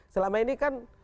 selama ini kan